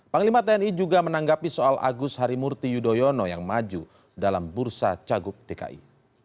panglima tni juga menanggapi soal agus harimurti yudhoyono yang maju dalam bursa cagup dki